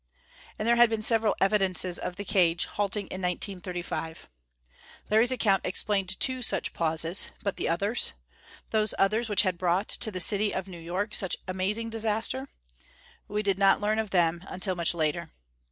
And there had been several evidences of the cage halting in 1935. Larry's account explained two such pauses. But the others? Those others, which brought to the City of New York such amazing disaster? We did not learn of them until much later.